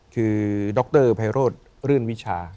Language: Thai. คือดรไพโรธรื่นวิชา